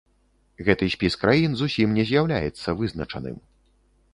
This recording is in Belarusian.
Гэты спіс краін зусім не з'яўляецца вызначаным.